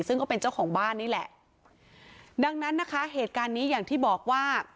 ซึ่งก็เป็นเจ้าของบ้านนี่แหละดังนั้นนะคะเหตุการณ์นี้อย่างที่บอกว่า